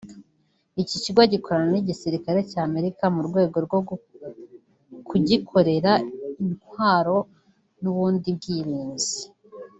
Iki kigo gikorana n’igisirikare cya Amerika mu rwego rwo kugikorera intwaro n’ubundi bwirinzi